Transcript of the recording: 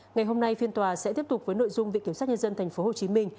ngày hôm nay phiên tòa sẽ tiếp tục với nội dung vị kiểm soát nhân dân tp hcm